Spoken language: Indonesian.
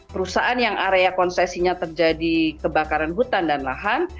perusahaan yang area konsesinya terjadi kebakaran hutan dan lahan